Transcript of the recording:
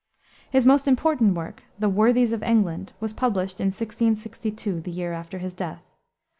His most important work, the Worthies of England, was published in 1662, the year after his death.